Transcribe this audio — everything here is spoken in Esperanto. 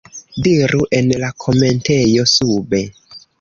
Diru en la komentejo sube.